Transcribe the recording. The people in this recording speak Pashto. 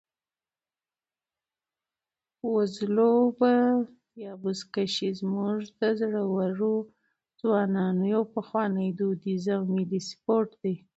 وزلوبه یا بزکشي زموږ د زړورو ځوانانو یو پخوانی، دودیز او ملي سپورټ دی.